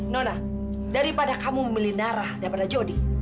nona daripada kamu memilih narah daripada jody